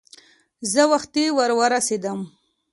زه وختي ور ورسېدم.